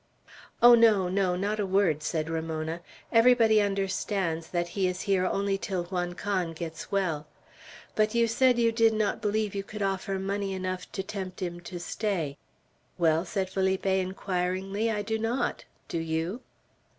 "Oh, no, no; not a word!" said Ramona. "Everybody understands that he is here only till Juan Can gets well. But you said you did not believe you could offer him money enough to tempt him to stay." "Well," said Felipe, inquiringly, "I do not. Do you?"